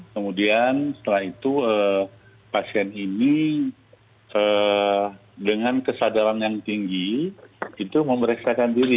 kemudian setelah itu pasien ini dengan kesadaran yang tinggi itu memeriksakan diri